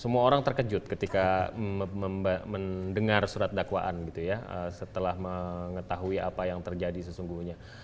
semua orang terkejut ketika mendengar surat dakwaan gitu ya setelah mengetahui apa yang terjadi sesungguhnya